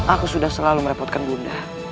aku sudah selalu merepotkan bunda